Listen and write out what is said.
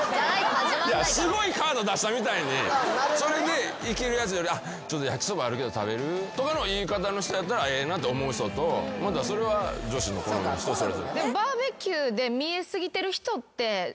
すごいカード出したみたいにそれでイキるやつより焼きそばあるけど食べる？とかの言い方の人やったらええなと思う人とそれは女子の好み人それぞれ。